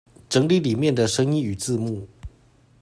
整理裡面的聲音與字幕